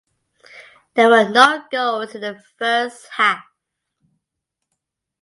There were no goals in the first half.